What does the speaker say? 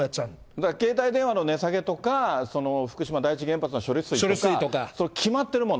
だから携帯電話の値下げとか、福島第一原発の処理水とか、その決まってるもの。